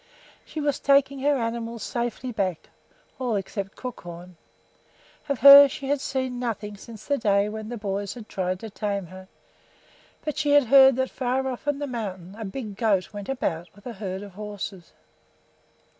She was taking her animals safely back, all except Crookhorn. Of her she had seen nothing since that day when the boys had tried to tame her; but she had heard that far off on the mountain a big goat went about with a herd of horses.